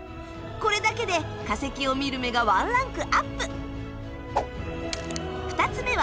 これだけで化石を見る目がワンランクアップ！